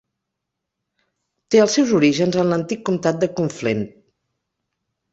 Té els seus orígens en l'antic comtat de Conflent.